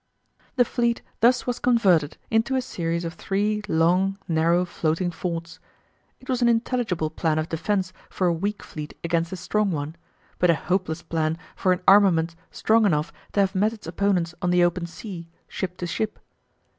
The fleet thus was converted into a series of three long, narrow floating forts. It was an intelligible plan of defence for a weak fleet against a strong one, but a hopeless plan for an armament strong enough to have met its opponents on the open sea, ship to ship.